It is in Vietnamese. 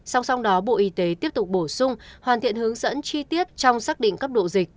song song đó bộ y tế tiếp tục bổ sung hoàn thiện hướng dẫn chi tiết trong xác định cấp độ dịch